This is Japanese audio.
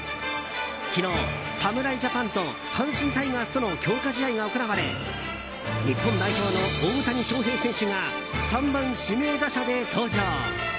昨日、侍ジャパンと阪神タイガースとの強化試合が行われ日本代表の大谷翔平選手が３番指名打者で登場。